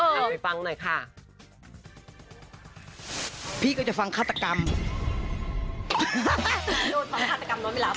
เอาไปฟังหน่อยค่ะ